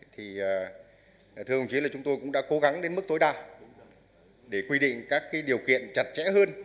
thì thưa ông chí là chúng tôi cũng đã cố gắng đến mức tối đa để quy định các điều kiện chặt chẽ hơn